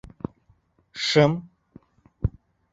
— Шым.